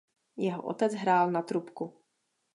Jeho otec hrál na trubku.